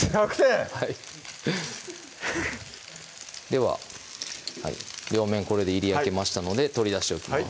⁉はいでは両面これでいり焼きましたので取り出しておきます